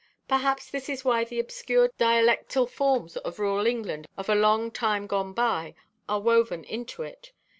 Perhaps this is why the obscure dialectal forms of rural England of a time long gone by are woven into it.